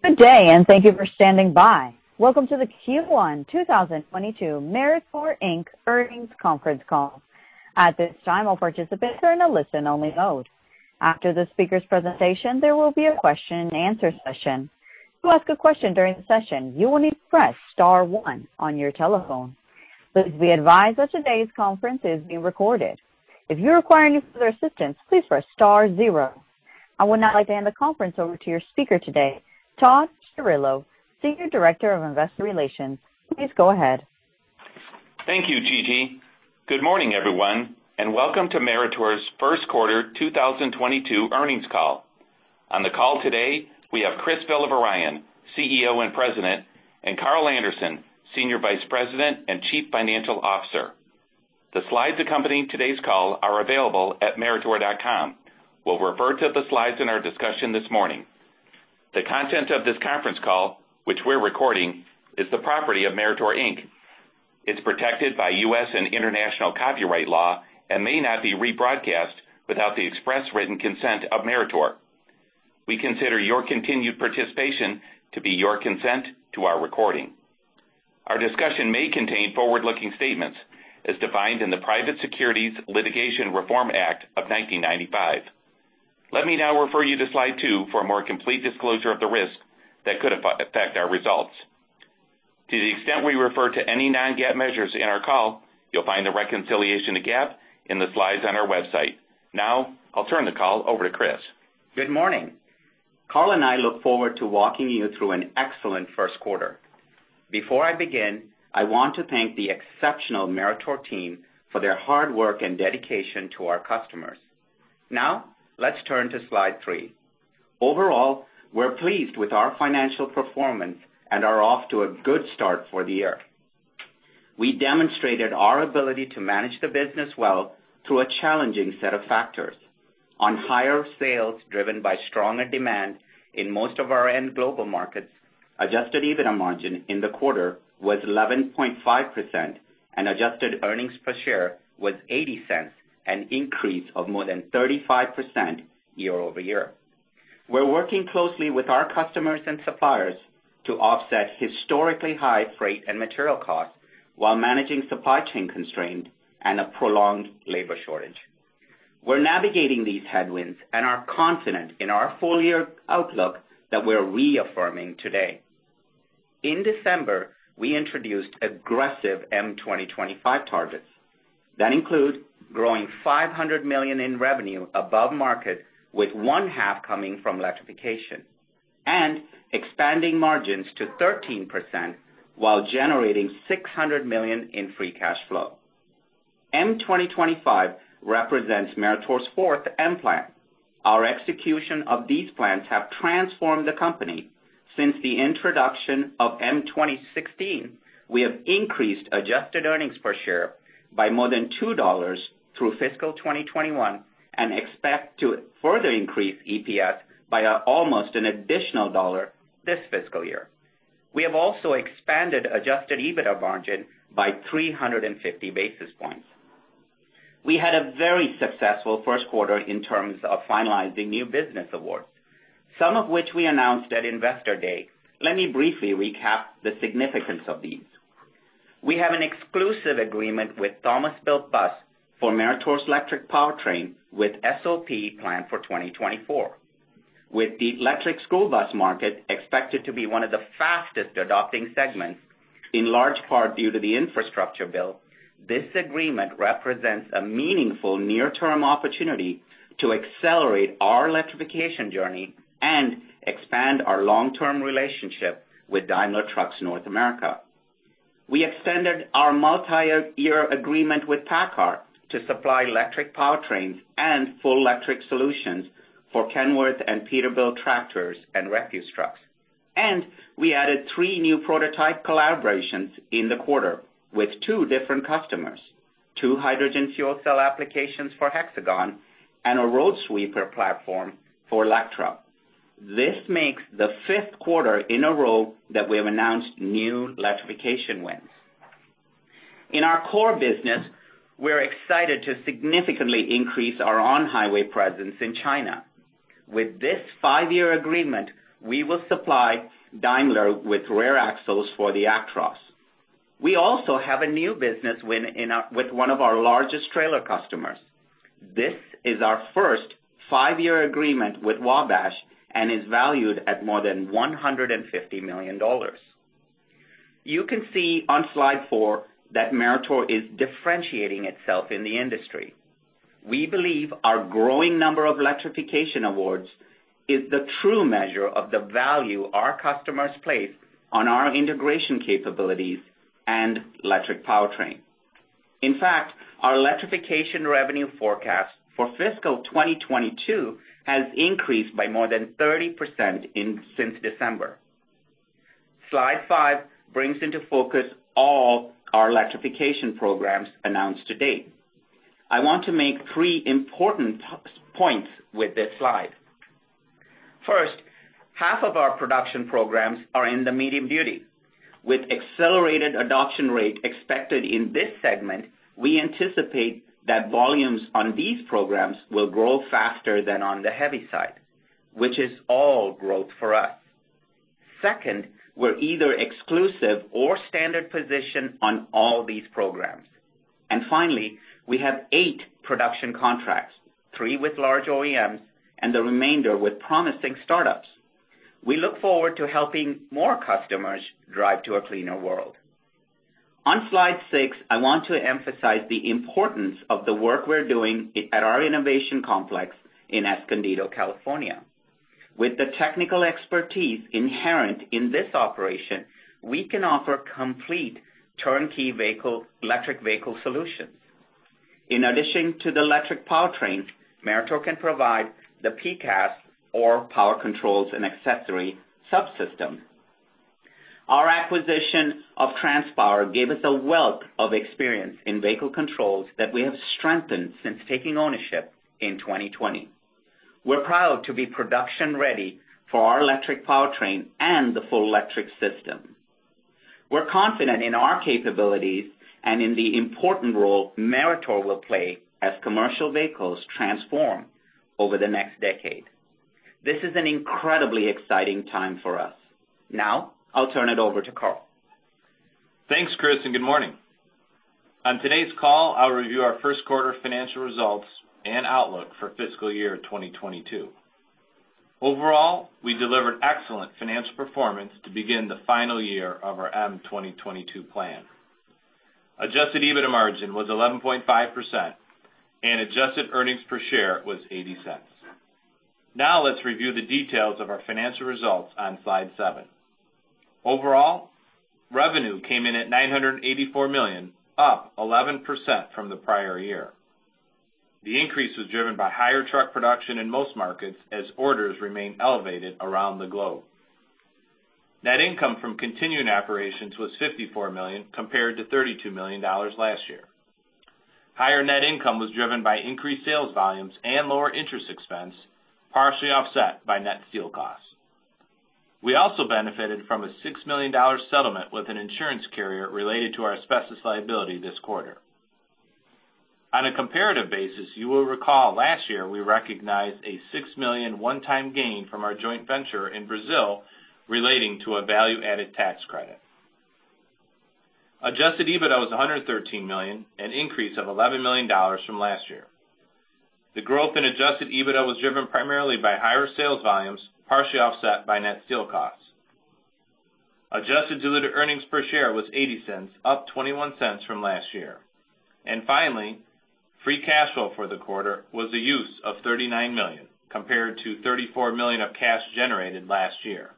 Good day, and thank you for standing by. Welcome to the Q1 2022 Meritor, Inc. Earnings Conference Call. At this time, all participants are in a listen-only mode. After the speaker's presentation, there will be a question and answer session. To ask a question during the session, you will need to press star one on your telephone. Please be advised that today's conference is being recorded. If you require any further assistance, please press star zero. I would now like to hand the conference over to your speaker today, Todd Chirillo, Senior Director of Investor Relations. Please go ahead. Thank you, Gigi. Good morning, everyone, and welcome to Meritor's Q1 2022 earnings call. On the call today, we have Chris Villavarayan, CEO and President, and Carl Anderson, Senior Vice President and Chief Financial Officer. The slides accompanying today's call are available at meritor.com. We'll refer to the slides in our discussion this morning. The content of this conference call, which we're recording, is the property of Meritor, Inc. It's protected by U.S. and international copyright law and may not be rebroadcast without the express written consent of Meritor. We consider your continued participation to be your consent to our recording. Our discussion may contain forward-looking statements as defined in the Private Securities Litigation Reform Act of 1995. Let me now refer you to slide 2 for a more complete disclosure of the risk that could affect our results. To the extent we refer to any non-GAAP measures in our call, you'll find the reconciliation to GAAP in the slides on our website. Now I'll turn the call over to Chris. Good morning. Carl and I look forward to walking you through an excellent Q1. Before I begin, I want to thank the exceptional Meritor team for their hard work and dedication to our customers. Now let's turn to slide 3. Overall, we're pleased with our financial performance and are off to a good start for the year. We demonstrated our ability to manage the business well through a challenging set of factors. On higher sales driven by stronger demand in most of our end global markets, Adjusted EBITDA margin in the quarter was 11.5%, and adjusted earnings per share was $0.80, an increase of more than 35% year-over-year. We're working closely with our customers and suppliers to offset historically high freight and material costs while managing supply chain constraints and a prolonged labor shortage. We're navigating these headwinds and are confident in our full year outlook that we're reaffirming today. In December, we introduced aggressive M 2025 targets that include growing $500 million in revenue above market, with one half coming from electrification and expanding margins to 13% while generating $600 million in free cash flow. M 2025 represents Meritor's fourth M plan. Our execution of these plans have transformed the company. Since the introduction of M 2016, we have increased adjusted earnings per share by more than $2 through fiscal 2021 and expect to further increase EPS by almost an additional $1 this fiscal year. We have also expanded adjusted EBITDA margin by 350 basis points. We had a very successful Q1 in terms of finalizing new business awards, some of which we announced at Investor Day. Let me briefly recap the significance of these. We have an exclusive agreement with Thomas Built Buses for Meritor's electric powertrain, with SOP planned for 2024. With the electric school bus market expected to be one of the fastest adopting segments, in large part due to the infrastructure bill, this agreement represents a meaningful near-term opportunity to accelerate our electrification journey and expand our long-term relationship with Daimler Truck North America. We extended our multiyear agreement with PACCAR to supply electric powertrains and full electric solutions for Kenworth and Peterbilt tractors and refuse trucks. We added 3 new prototype collaborations in the quarter with 2 different customers, 2 hydrogen fuel cell applications for Hexagon Purus and a road sweeper platform for Electra. This makes the fifth quarter in a row that we have announced new electrification wins. In our core business, we're excited to significantly increase our on-highway presence in China. With this five-year agreement, we will supply Daimler with rear axles for the Actros. We also have a new business win with one of our largest trailer customers. This is our first five-year agreement with Wabash and is valued at more than $150 million. You can see on slide 4 that Meritor is differentiating itself in the industry. We believe our growing number of electrification awards is the true measure of the value our customers place on our integration capabilities and electric powertrain. In fact, our electrification revenue forecast for fiscal 2022 has increased by more than 30% since December. Slide 5 brings into focus all our electrification programs announced to date. I want to make three important points with this slide. First, half of our production programs are in the medium duty. With accelerated adoption rate expected in this segment, we anticipate that volumes on these programs will grow faster than on the heavy side, which is all growth for us. Second, we're either exclusive or standard position on all these programs. Finally, we have 8 production contracts, 3 with large OEMs, and the remainder with promising startups. We look forward to helping more customers drive to a cleaner world. On slide 6, I want to emphasize the importance of the work we're doing at our innovation complex in Escondido, California. With the technical expertise inherent in this operation, we can offer complete turnkey vehicle, electric vehicle solutions. In addition to the electric powertrain, Meritor can provide the PCAS or Power Controls and Accessory Subsystem. Our acquisition of TransPower gave us a wealth of experience in vehicle controls that we have strengthened since taking ownership in 2020. We're proud to be production ready for our electric powertrain and the full electric system. We're confident in our capabilities and in the important role Meritor will play as commercial vehicles transform over the next decade. This is an incredibly exciting time for us. Now, I'll turn it over to Carl. Thanks, Chris, and good morning. On today's call, I'll review our Q1 financial results and outlook for fiscal year 2022. Overall, we delivered excellent financial performance to begin the final year of our M2022 plan. Adjusted EBITDA margin was 11.5% and adjusted earnings per share was $0.80. Now let's review the details of our financial results on slide 7. Overall, revenue came in at $984 million, up 11% from the prior year. The increase was driven by higher truck production in most markets as orders remained elevated around the globe. Net income from continuing operations was $54 million compared to $32 million last year. Higher net income was driven by increased sales volumes and lower interest expense, partially offset by net steel costs. We also benefited from a $6 million settlement with an insurance carrier related to our asbestos liability this quarter. On a comparative basis, you will recall last year we recognized a $6 million one-time gain from our joint venture in Brazil relating to a value-added tax credit. Adjusted EBITDA was $113 million, an increase of $11 million from last year. The growth in adjusted EBITDA was driven primarily by higher sales volumes, partially offset by net steel costs. Adjusted diluted earnings per share was $0.80, up $0.21 from last year. Finally, free cash flow for the quarter was a use of $39 million, compared to $34 million of cash generated last year.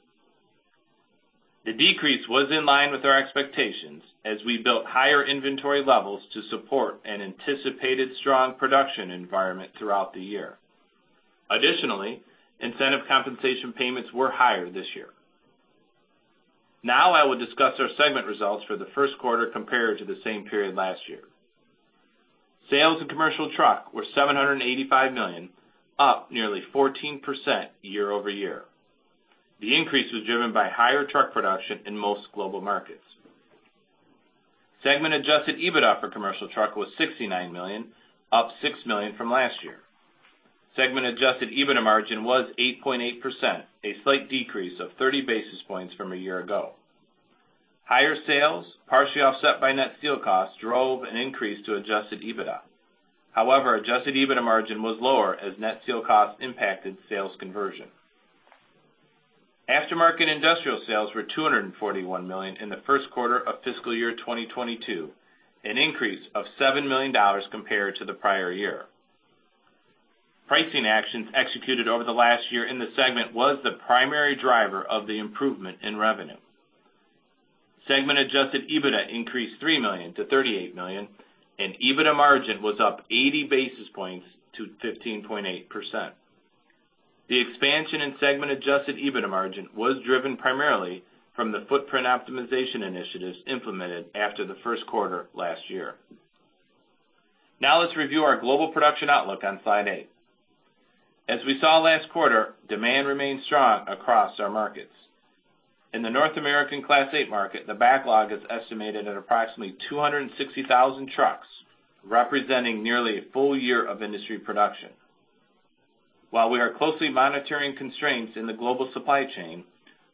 The decrease was in line with our expectations as we built higher inventory levels to support an anticipated strong production environment throughout the year. Additionally, incentive compensation payments were higher this year. Now I will discuss our segment results for the Q1 compared to the same period last year. Sales in commercial truck were $785 million, up nearly 14% year-over-year. The increase was driven by higher truck production in most global markets. Segment adjusted EBITDA for commercial truck was $69 million, up $6 million from last year. Segment adjusted EBITDA margin was 8.8%, a slight decrease of 30 basis points from a year ago. Higher sales, partially offset by net steel costs, drove an increase to adjusted EBITDA. However, adjusted EBITDA margin was lower as net steel costs impacted sales conversion. Aftermarket industrial sales were $241 million in the Q1 of fiscal year 2022, an increase of $7 million compared to the prior year. Pricing actions executed over the last year in the segment was the primary driver of the improvement in revenue. Segment adjusted EBITDA increased $3 million to $38 million, and EBITDA margin was up 80 basis points to 15.8%. The expansion in segment adjusted EBITDA margin was driven primarily from the footprint optimization initiatives implemented after the Q1 last year. Now let's review our global production outlook on slide 8. As we saw last quarter, demand remains strong across our markets. In the North American Class 8 market, the backlog is estimated at approximately 260,000 trucks, representing nearly a full year of industry production. While we are closely monitoring constraints in the global supply chain,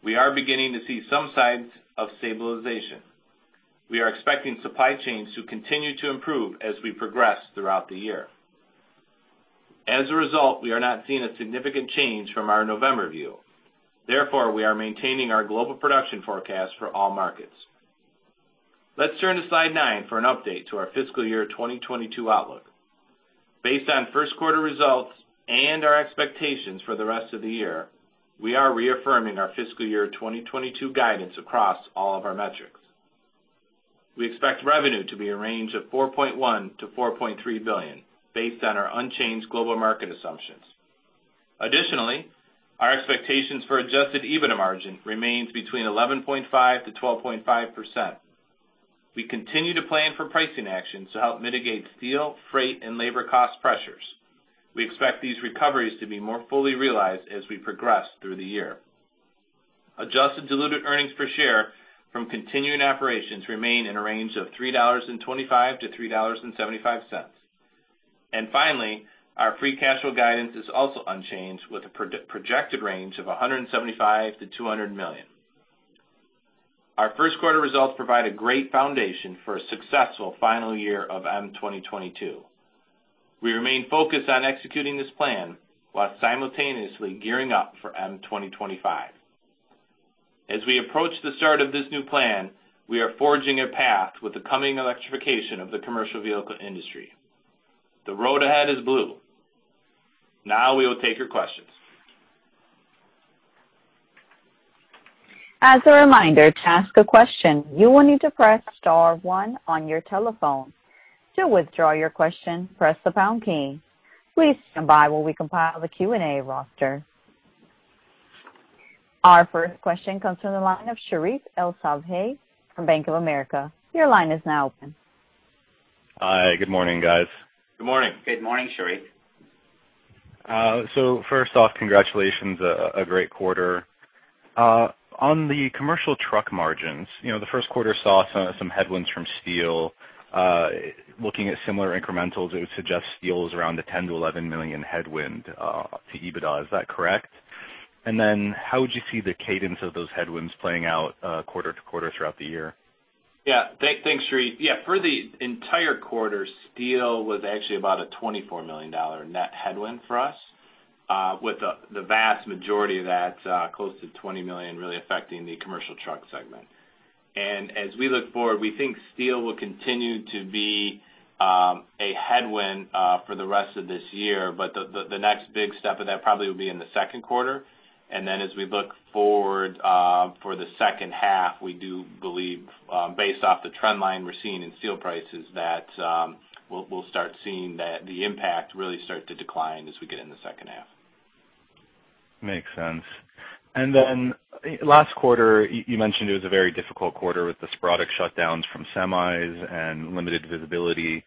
we are beginning to see some signs of stabilization. We are expecting supply chains to continue to improve as we progress throughout the year. As a result, we are not seeing a significant change from our November view. Therefore, we are maintaining our global production forecast for all markets. Let's turn to slide nine for an update to our fiscal year 2022 outlook. Based on Q1 results and our expectations for the rest of the year, we are reaffirming our fiscal year 2022 guidance across all of our metrics. We expect revenue to be a range of $4.1 billion-$4.3 billion based on our unchanged global market assumptions. Additionally, our expectations for adjusted EBITDA margin remains between 11.5%-12.5%. We continue to plan for pricing actions to help mitigate steel, freight, and labor cost pressures. We expect these recoveries to be more fully realized as we progress through the year. Adjusted diluted earnings per share from continuing operations remain in a range of $3.25-$3.75. Finally, our free cash flow guidance is also unchanged, with a projected range of $175 million-$200 million. Our Q1 results provide a great foundation for a successful final year of M2022. We remain focused on executing this plan while simultaneously gearing up for M2025. As we approach the start of this new plan, we are forging a path with the coming electrification of the commercial vehicle industry. The road ahead is blue. Now we will take your questions. As a reminder, to ask a question, you will need to press star one on your telephone. To withdraw your question, press the pound key. Please stand by while we compile the Q&A roster. Our first question comes from the line of Sherif El-Sabbahy from Bank of America. Your line is now open. Hi, good morning, guys. Good morning. Good morning, Sherif. First off, congratulations on a great quarter. On the commercial truck margins, you know, the Q1 saw some headwinds from steel. Looking at similar incrementals, it would suggest steel is around a $10 million-$11 million headwind to EBITDA. Is that correct? How would you see the cadence of those headwinds playing out quarter to quarter throughout the year? Yeah. Thanks, Sheriff. Yeah, for the entire quarter, steel was actually about a $24 million net headwind for us, with the vast majority of that close to $20 million really affecting the commercial truck segment. As we look forward, we think steel will continue to be a headwind for the rest of this year, but the next big step of that probably will be in the second quarter. Then as we look forward, for the H2, we do believe, based off the trend line we're seeing in steel prices, that we'll start seeing that the impact really start to decline as we get in the H2. Makes sense. Then last quarter, you mentioned it was a very difficult quarter with the sporadic shutdowns from semis and limited visibility,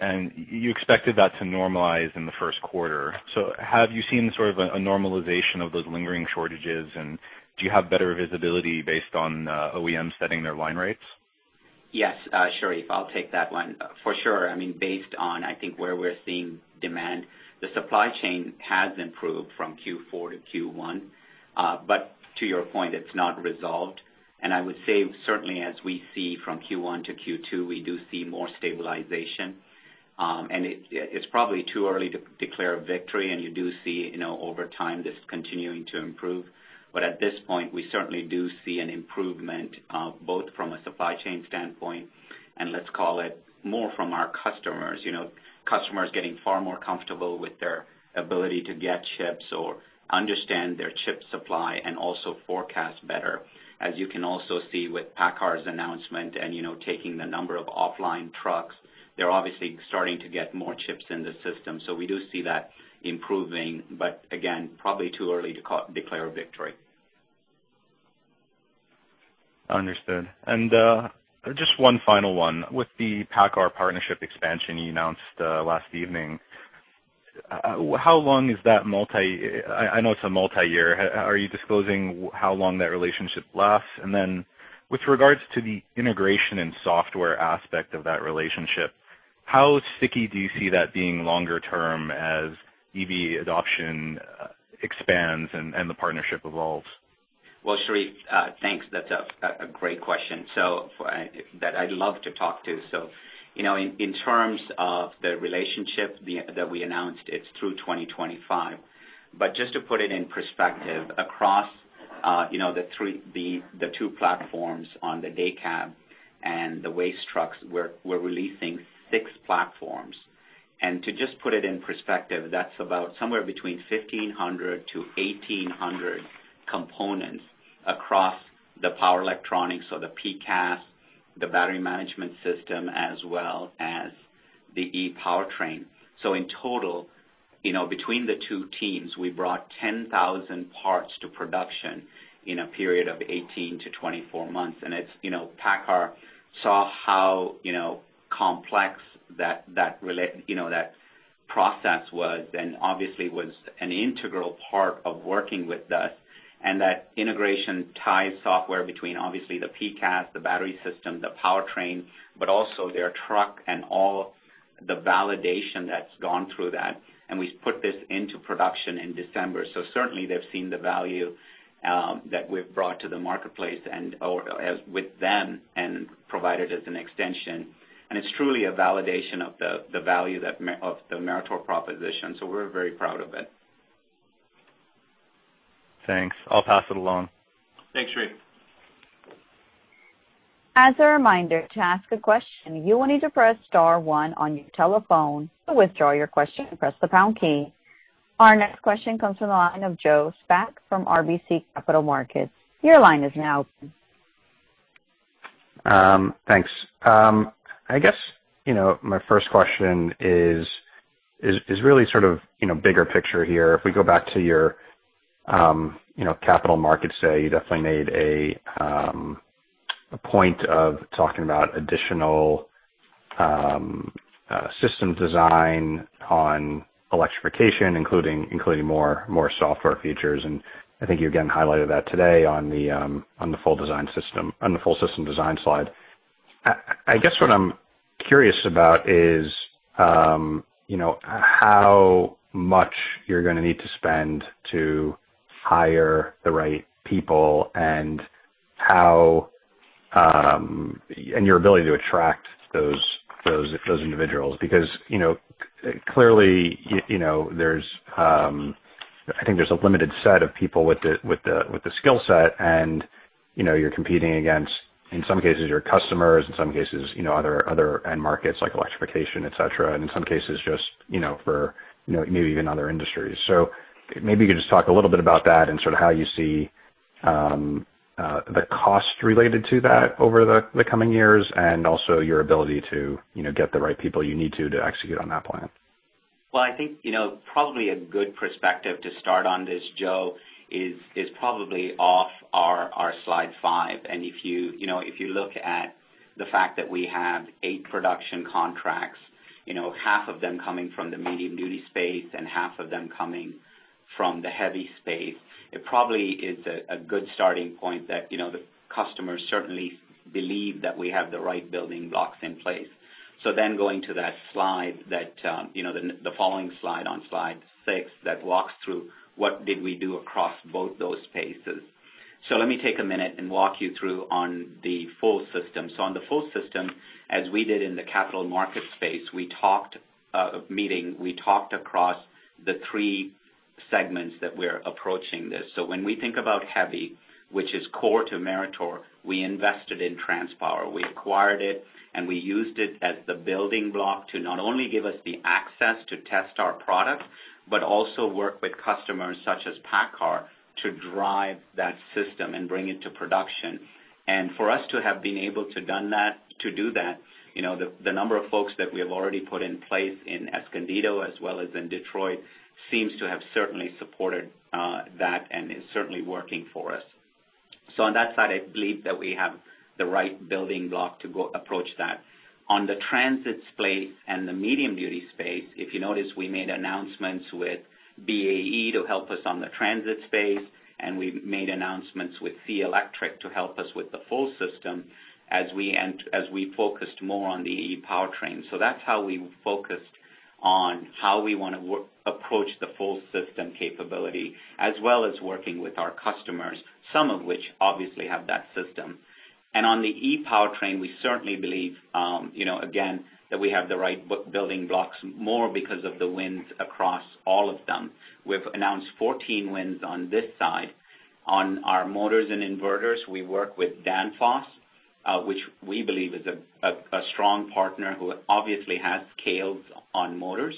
and you expected that to normalize in the Q1. Have you seen a normalization of those lingering shortages? Do you have better visibility based on OEMs setting their line rates? Yes, Sherif, I'll take that one. For sure, I mean, based on, I think, where we're seeing demand, the supply chain has improved from Q4 to Q1. To your point, it's not resolved. I would say certainly as we see from Q1 to Q2, we do see more stabilization. It's probably too early to declare a victory, and you do see, you know, over time, this continuing to improve. At this point, we certainly do see an improvement, both from a supply chain standpoint, and let's call it more from our customers. You know, customers getting far more comfortable with their ability to get chips or understand their chip supply and also forecast better. As you can also see with PACCAR's announcement and, you know, taking the number of offline trucks, they're obviously starting to get more chips in the system. We do see that improving, but again, probably too early to declare victory. Understood. Just one final one. With the PACCAR partnership expansion you announced last evening, how long is that? I know it's a multi-year. Are you disclosing how long that relationship lasts? With regards to the integration and software aspect of that relationship, how sticky do you see that being longer term as EV adoption expands and the partnership evolves? Well, Sherif, thanks. That's a great question. That I'd love to talk to. You know, in terms of the relationship that we announced, it's through 2025. Just to put it in perspective, across you know, the two platforms on the day cab and the waste trucks, we're releasing 6 platforms. To just put it in perspective, that's about somewhere between 1,500-1,800 components across the power electronics, so the PCAS, the battery management system, as well as the ePowertrain. In total, you know, between the two teams, we brought 10,000 parts to production in a period of 18-24 months. It's, you know, PACCAR saw how, you know, complex that process was, and obviously was an integral part of working with us. That integration ties software between obviously the PCAS, the battery system, the powertrain, but also their truck and all the validation that's gone through that. We've put this into production in December. Certainly they've seen the value that we've brought to the marketplace or as with them, and provided as an extension. It's truly a validation of the value of the Meritor proposition. We're very proud of it. Thanks. I'll pass it along. Thanks, Sherif. As a reminder, to ask a question, you will need to press star one on your telephone. To withdraw your question, press the pound key. Our next question comes from the line of Joseph Spak from RBC Capital Markets. Your line is now open. Thanks. I guess, you know, my first question is really sort of, you know, bigger picture here. If we go back to your, you know, capital markets day, you definitely made a point of talking about additional system design on electrification, including more software features. I think you again highlighted that today on the full system design slide. I guess what I'm curious about is, you know, how much you're going to need to spend to hire the right people and how and your ability to attract those individuals. Because, you know, clearly, you know, there's, I think there's a limited set of people with the skill set, and, you know, you're competing against, in some cases, your customers, in some cases, you know, other end markets like electrification, et cetera, and in some cases, just, you know, for, you know, maybe even other industries. Maybe you could just talk a little bit about that and how you see the cost related to that over the coming years and also your ability to, you know, get the right people you need to execute on that plan. Well, I think, you know, probably a good perspective to start on this, Joe, is probably off our slide five. If you know, if you look at the fact that we have 8 production contracts, you know, half of them coming from the medium-duty space and half of them coming from the heavy-duty space, it probably is a good starting point that, you know, the customers certainly believe that we have the right building blocks in place. Then going to that slide that, you know, the following slide on slide six that walks through what we did across both those spaces. Let me take a minute and walk you through on the full system. On the full system, as we did in the capital market space, we talked across the three segments that we're approaching this. When we think about heavy, which is core to Meritor, we invested in TransPower. We acquired it, and we used it as the building block to not only give us the access to test our product but also work with customers such as PACCAR to drive that system and bring it to production. For us to have been able to done that, to do that, you know, the number of folks that we have already put in place in Escondido as well as in Detroit seems to have certainly supported that and is certainly working for us. On that side, I believe that we have the right building block to go approach that. On the transit space and the medium duty space, if you notice, we made announcements with BAE to help us on the transit space, and we made announcements with Lion Electric to help us with the full system as we focused more on the ePowertrain. That's how we focused on how we want to approach the full system capability as well as working with our customers, some of which obviously have that system. On the ePowertrain, we certainly believe, you know, again, that we have the right building blocks, more because of the wins across all of them. We've announced 14 wins on this side. On our motors and inverters, we work with Danfoss, which we believe is a strong partner who obviously has scaled on motors.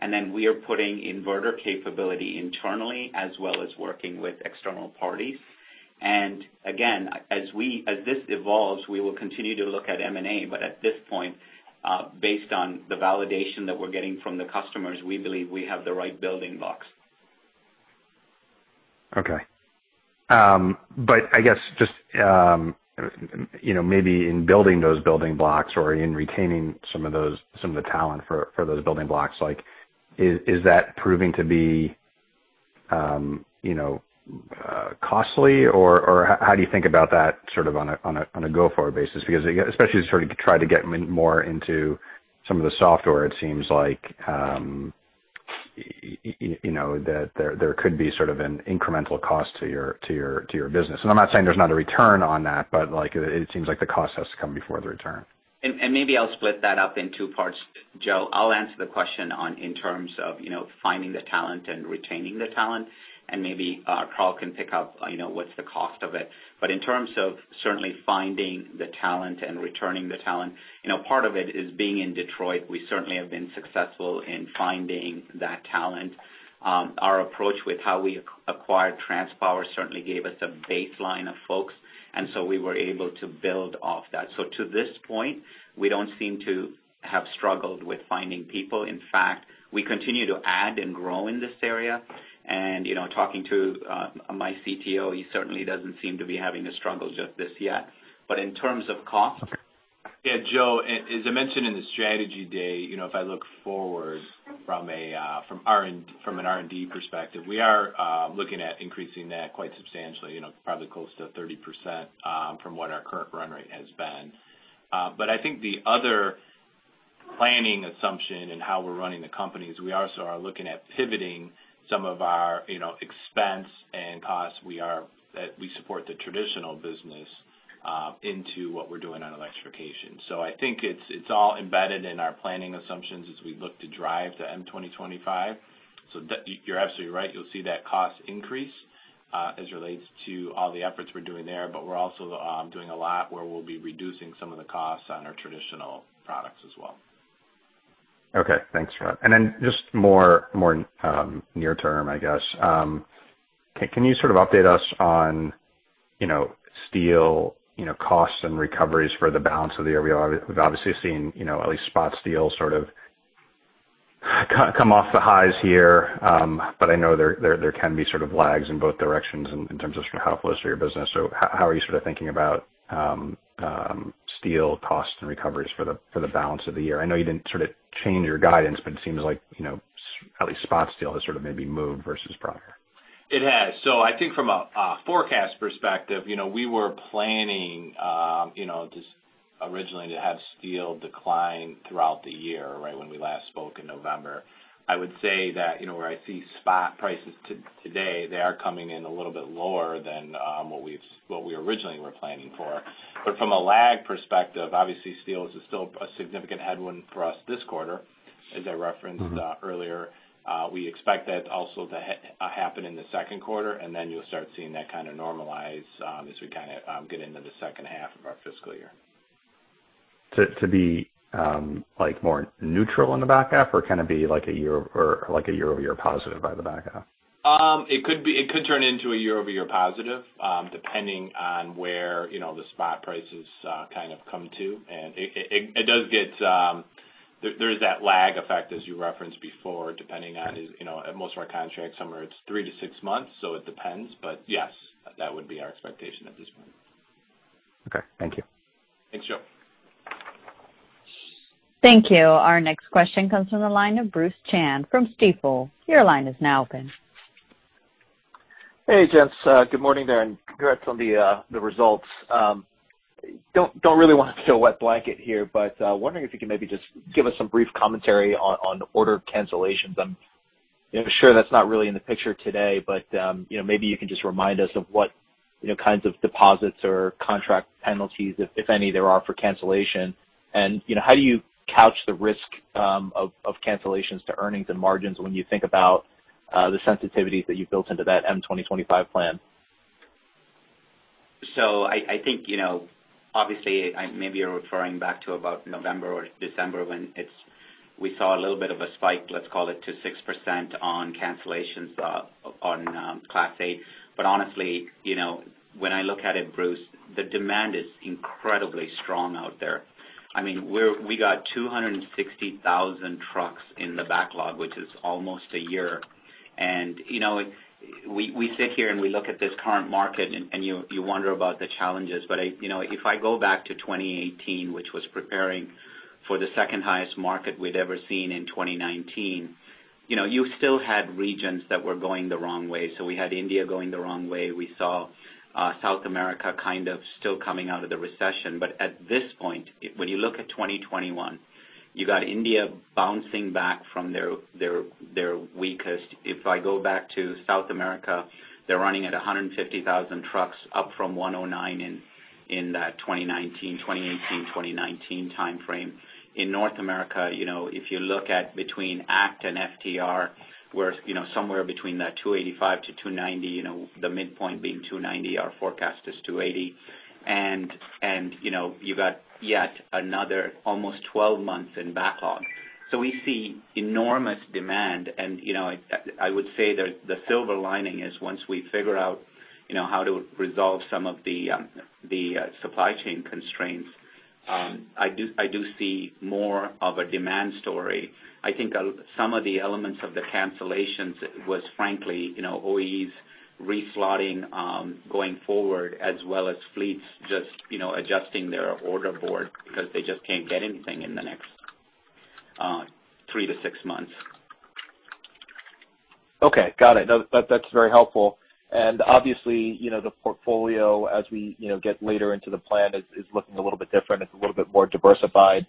We are putting inverter capability internally as well as working with external parties. Again, as this evolves, we will continue to look at M&A, but at this point, based on the validation that we're getting from the customers, we believe we have the right building blocks. I guess just you know, maybe in building those building blocks or in retaining some of those, some of the talent for those building blocks, like, is that proving to be you know, costly, or how do you think about that on a go-forward basis? Again, especially as you try to get more into some of the software, it seems like you know, that there could be an incremental cost to your business. I'm not saying there's not a return on that, but, like, it seems like the cost has to come before the return. Maybe I'll split that up in two parts, Joe. I'll answer the question on, in terms of, you know, finding the talent and retaining the talent, and maybe, Carl can pick up, you know, what's the cost of it. In terms of certainly finding the talent and retaining the talent, you know, part of it is being in Detroit, we certainly have been successful in finding that talent. Our approach with how we acquired TransPower certainly gave us a baseline of folks, and so we were able to build off that. To this point, we don't seem to have struggled with finding people. In fact, we continue to add and grow in this area. You know, talking to my CTO, he certainly doesn't seem to be having the struggles just yet. In terms of cost- Yeah, Joe, as I mentioned in the strategy day, you know, if I look forward from an R&D perspective, we are looking at increasing that quite substantially, you know, probably close to 30%, from what our current run rate has been. I think the other planning assumption in how we're running the company is we also are looking at pivoting some of our, you know, expense and costs that we support the traditional business into what we're doing on electrification. I think it's all embedded in our planning assumptions as we look to drive to M2025. You're absolutely right. You'll see that cost increase as it relates to all the efforts we're doing there, but we're also doing a lot where we'll be reducing some of the costs on our traditional products as well. Okay. Thanks, Rod. Just more near term, I guess. Can you update us on, you know, steel, you know, costs and recoveries for the balance of the year. We've obviously seen, you know, at least spot steel come off the highs here. I know there can be lags in both directions in terms of how it flows through your business. How are you thinking about steel costs and recoveries for the balance of the year? I know you didn't of change your guidance, but it seems like, you know, at least spot steel has maybe moved versus prior. It has. I think from a forecast perspective, you know, we were planning, you know, just originally to have steel decline throughout the year, right, when we last spoke in November. I would say that, you know, where I see spot prices today, they are coming in a little bit lower than what we originally were planning for. From a lag perspective, obviously steel is still a significant headwind for us this quarter, as I referenced. Mm-hmm. earlier. We expect that also to happen in the second quarter, and then you'll start seeing that normalize, as we get into the H2 of our fiscal year. To be like more neutral in the back half or be like a year-over-year positive by the back half? It could turn into a year-over-year positive, depending on where, you know, the spot prices come to. It does get, there is that lag effect as you referenced before, depending on, you know, at most of our contracts, somewhere it's 3-6 months, so it depends. Yes, that would be our expectation at this point. Okay. Thank you. Thanks, Joe. Thank you. Our next question comes from the line of Bruce Chan from Stifel. Your line is now open. Hey, gents. Good morning there, and congrats on the results. Don't really want to throw a wet blanket here, but wondering if you could maybe just give us some brief commentary on order cancellations. I'm, you know, sure that's not really in the picture today, but you know, maybe you can just remind us of what kinds of deposits or contract penalties, if any, there are for cancellation. You know, how do you couch the risk of cancellations to earnings and margins when you think about the sensitivities that you've built into that M 2025 plan? I think, you know, obviously, I maybe you're referring back to about November or December we saw a little bit of a spike, let's call it to 6% on cancellations, on Class 8. Honestly, you know, when I look at it, Bruce, the demand is incredibly strong out there. I mean, we got 260,000 trucks in the backlog, which is almost a year. You know, we sit here and we look at this current market and you wonder about the challenges. I, you know, if I go back to 2018, which was preparing for the second highest market we'd ever seen in 2019, you know, you still had regions that were going the wrong way. We had India going the wrong way. We saw South America still coming out of the recession. At this point, when you look at 2021, you got India bouncing back from their weakest. If I go back to South America, they're running at 150,000 trucks up from 109 in that 2018, 2019 timeframe. In North America, if you look at between ACT and FTR, we're somewhere between that 285 to 290, the midpoint being 290, our forecast is 280. You've got yet another almost 12 months in backlog. We see enormous demand. You know, I would say the silver lining is once we figure out, you know, how to resolve some of the supply chain constraints, I do see more of a demand story. I think some of the elements of the cancellations was frankly, you know, OEs re-slotting, going forward, as well as fleets just, you know, adjusting their order board because they just can't get anything in the next three to six months. Okay. Got it. No, that's very helpful. Obviously, you know, the portfolio as we, you know, get later into the plan is looking a little bit different. It's a little bit more diversified.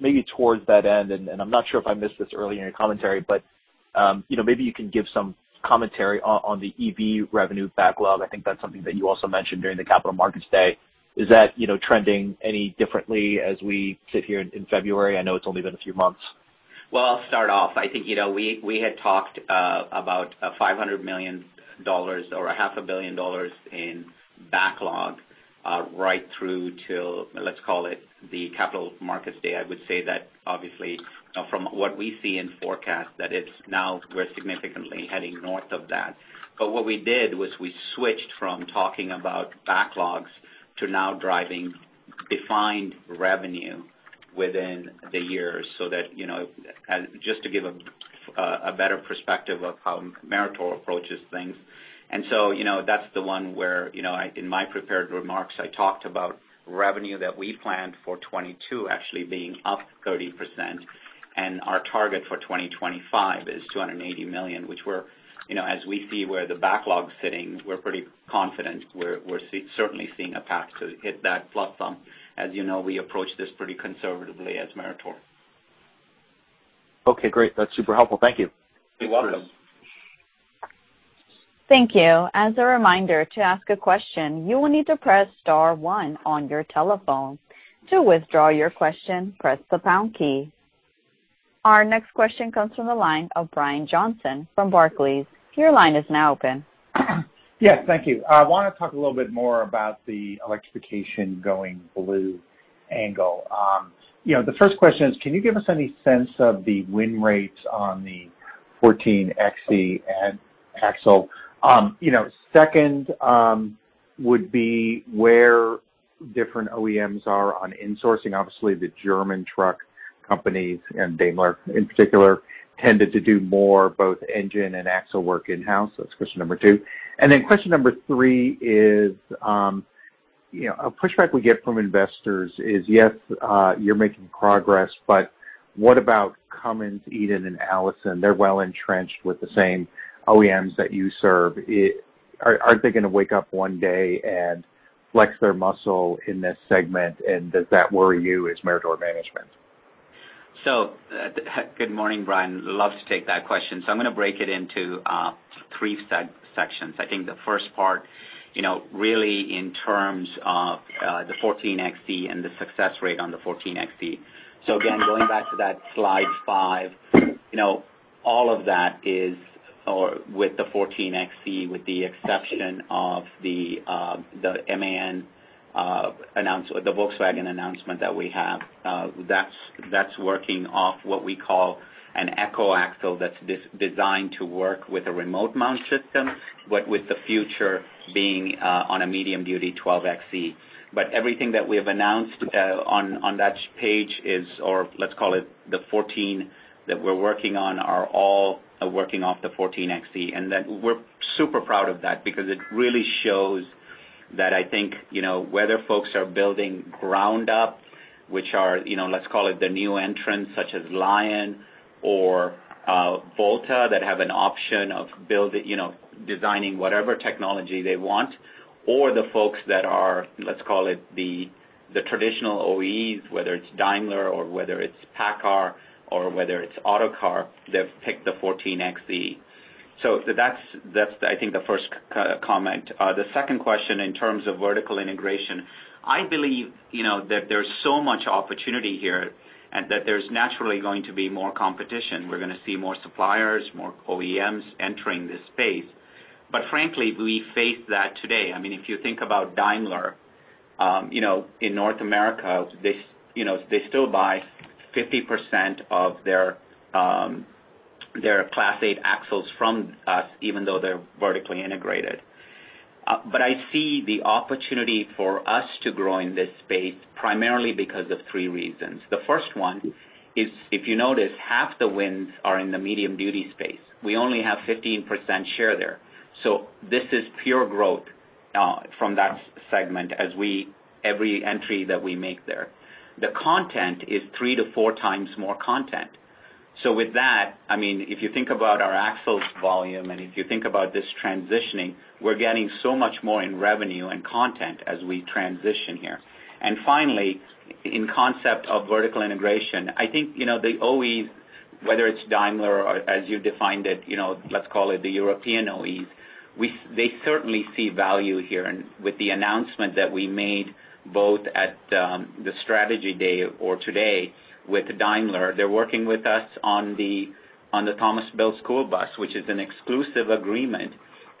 Maybe towards that end, and I'm not sure if I missed this earlier in your commentary, but you know, maybe you can give some commentary on the EV revenue backlog. I think that's something that you also mentioned during the Capital Markets Day. Is that, you know, trending any differently as we sit here in February? I know it's only been a few months. Well, I'll start off. I think, you know, we had talked about $500 million or $0.5 billion in backlog right through to, let's call it, the Capital Markets Day. I would say that obviously from what we see in forecast, that it's now we're significantly heading north of that. What we did was we switched from talking about backlogs to now driving defined revenue within the year so that, you know, just to give a better perspective of how Meritor approaches things. You know, that's the one where, you know, I in my prepared remarks, I talked about revenue that we planned for 2022 actually being up 30%, and our target for 2025 is $280 million, which we're, you know, as we see where the backlog's sitting, we're pretty confident we're certainly seeing a path to hit that plus some. As you know, we approach this pretty conservatively as Meritor. Okay. Great. That's super helpful. Thank you. You're welcome. Thank you. As a reminder, to ask a question, you will need to press star one on your telephone. To withdraw your question, press the pound key. Our next question comes from the line of Brian Johnson from Barclays. Your line is now open. Yes. Thank you. I want to talk a little bit more about the electrification going Blue Angel. You know, the first question is, can you give us any sense of the win rates on the 14Xe and axle. You know, second, would be where different OEMs are on insourcing. Obviously, the German truck companies and Daimler in particular tended to do more both engine and axle work in-house. That's question number two. Question number three is, you know, a pushback we get from investors is, yes, you're making progress, but what about Cummins, Eaton, and Allison? They're well-entrenched with the same OEMs that you serve. Aren't they going to wake up one day and flex their muscle in this segment, and does that worry you as Meritor management? Good morning, Brian. Love to take that question. I'm going to break it into three sections. I think the first part, you know, really in terms of the 14Xe and the success rate on the 14Xe. Again, going back to that slide 5, you know, all of that is with the 14Xe, with the exception of the MAN, the Volkswagen announcement that we have, that's working off what we call an eAxle that's designed to work with a remote mount system, but with the future being on a medium-duty 12Xe. Everything that we have announced on that page is, or let's call it the 14 that we're working on, are all working off the 14Xe. We're super proud of that because it really shows that I think, you know, whether folks are building ground up, which are, you know, let's call it the new entrants such as Lion or Volta that have an option of designing whatever technology they want, or the folks that are, let's call it, the traditional OEs, whether it's Daimler or whether it's PACCAR or whether it's Autocar, they've picked the 14Xe. That's I think the first comment. The second question in terms of vertical integration, I believe, you know, that there's so much opportunity here and that there's naturally going to be more competition. We're going to see more suppliers, more OEMs entering this space. Frankly, we face that today. I mean, if you think about Daimler, you know, in North America, they still buy 50% of their Class 8 axles from us even though they're vertically integrated. I see the opportunity for us to grow in this space primarily because of three reasons. The first one is, if you notice, half the wins are in the medium-duty space. We only have 15% share there. This is pure growth from that segment as every entry that we make there. The content is 3x-4x more content. With that, I mean, if you think about our axles volume and if you think about this transitioning, we're getting so much more in revenue and content as we transition here. Finally, in concept of vertical integration, I think, you know, the OEs, whether it's Daimler or as you defined it, you know, let's call it the European OEs, they certainly see value here. With the announcement that we made both at the strategy day or today with Daimler, they're working with us on the Thomas Built school bus, which is an exclusive agreement.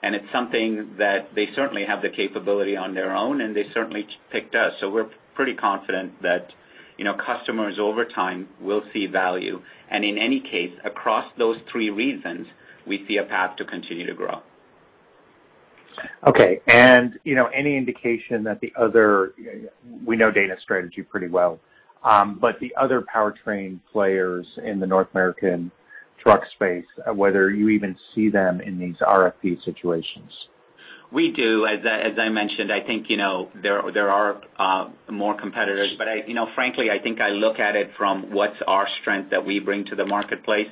It's something that they certainly have the capability on their own, and they certainly picked us. We're pretty confident that, you know, customers over time will see value. In any case, across those three reasons, we see a path to continue to grow. Okay. You know, any indication. We know Dana's strategy pretty well. The other powertrain players in the North American truck space, whether you even see them in these RFP situations. We do. As I mentioned, I think, you know, there are more competitors. You know, frankly, I think I look at it from what's our strength that we bring to the marketplace.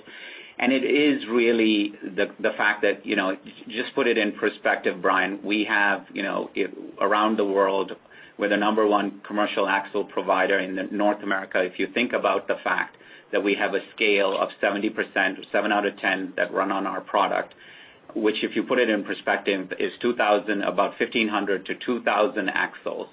It is really the fact that, you know, just put it in perspective, Brian, we have, you know, around the world, we're the number one commercial axle provider in North America. If you think about the fact that we have a scale of 70% or 7 out of 10 that run on our product, which if you put it in perspective, is about 1,500-2,000 axles.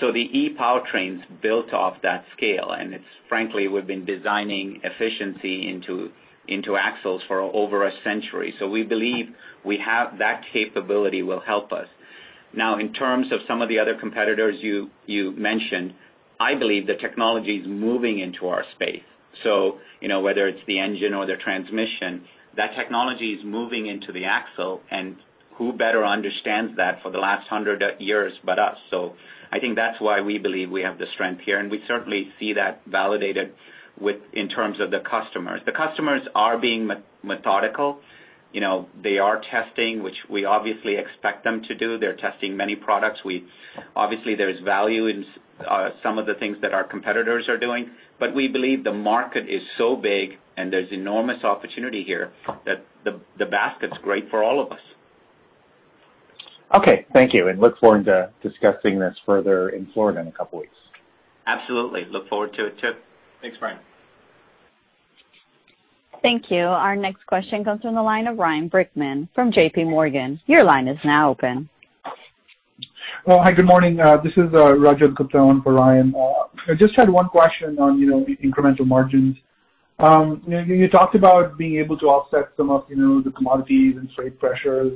The ePowertrain built off that scale, and frankly, we've been designing efficiency into axles for over a century. We believe we have that capability will help us. Now, in terms of some of the other competitors you mentioned, I believe the technology is moving into our space. You know, whether it's the engine or the transmission, that technology is moving into the axle, and who better understands that for the last hundred years but us. I think that's why we believe we have the strength here, and we certainly see that validated in terms of the customers. The customers are being methodical. You know, they are testing, which we obviously expect them to do. They're testing many products. Obviously, there is value in some of the things that our competitors are doing, but we believe the market is so big and there's enormous opportunity here that the basket's great for all of us. Okay. Thank you. I look forward to discussing this further in Florida in a couple of weeks. Absolutely. I look forward to it too. Thanks, Brian. Thank you. Our next question comes from the line of Ryan Brinkman from JPMorgan. Your line is now open. Well, hi, good morning. This is Rajat Gupta for Ryan. I just had one question on, you know, incremental margins. You talked about being able to offset some of, you know, the commodities and freight pressures,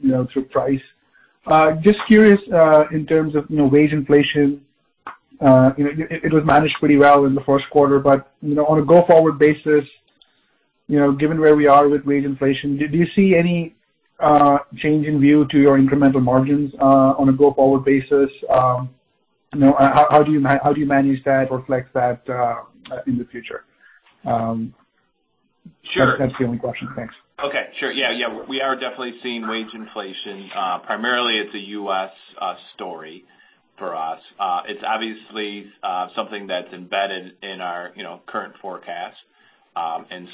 you know, through price. Just curious, in terms of, you know, wage inflation. It was managed pretty well in the Q1. You know, on a go-forward basis, you know, given where we are with wage inflation, do you see any change in view to your incremental margins on a go-forward basis? You know, how do you manage that or flex that in the future? Sure. That's the only question. Thanks. Okay. Sure. Yeah. Yeah. We are definitely seeing wage inflation. Primarily it's a U.S. story for us. It's obviously something that's embedded in our, you know, current forecast.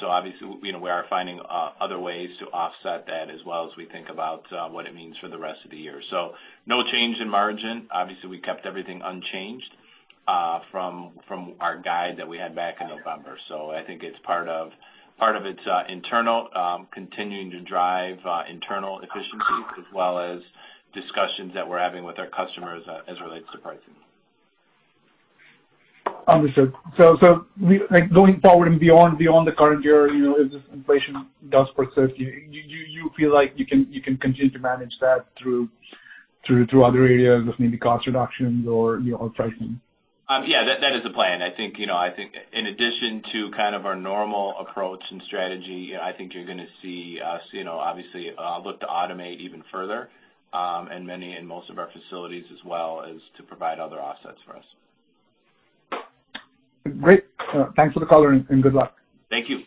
Obviously, you know, we are finding other ways to offset that as well as we think about what it means for the rest of the year. No change in margin. Obviously, we kept everything unchanged from our guide that we had back in November. I think it's part of it, internal, continuing to drive internal efficiencies, as well as discussions that we're having with our customers as it relates to pricing. Understood. Like, going forward and beyond the current year, you know, if this inflation does persist, do you feel like you can continue to manage that through other areas with maybe cost reductions or, you know, or pricing? Yeah. That is the plan. I think, you know, I think in addition to our normal approach and strategy, I think you're going to see us, you know, obviously look to automate even further in many and most of our facilities as well as to provide other offsets for us. Great. Thanks for the color and good luck. Thank you.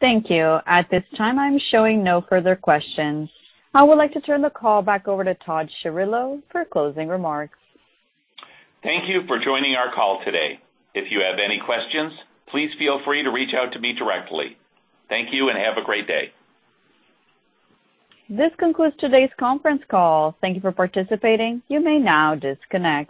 Thank you. At this time, I'm showing no further questions. I would like to turn the call back over to Todd Chirillo for closing remarks. Thank you for joining our call today. If you have any questions, please feel free to reach out to me directly. Thank you and have a great day. This concludes today's conference call. Thank you for participating. You may now disconnect.